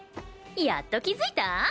やっと気づいた？